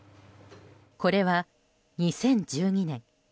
これは２０１２年